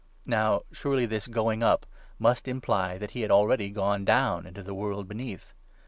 Now surely this ' going up ' must imply that he had already 9 gone down into the world beneath.